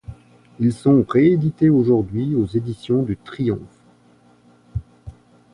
Ils sont réédités aujourd'hui aux éditions du Triomphe.